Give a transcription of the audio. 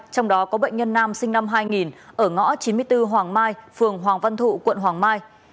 trong đó có bệnh nhân nam sinh năm hai nghìn ở ngõ chín mươi bốn hoàng mai phường hoàng văn thụ quận hoàng mai